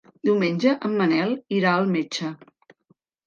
Diumenge en Manel irà al metge.